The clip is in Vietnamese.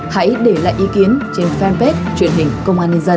hãy để lại ý kiến trên fanpage truyền hình công an nhân dân